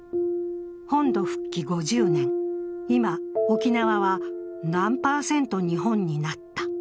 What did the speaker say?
本土復帰５０年、今、沖縄は何パーセント日本になった。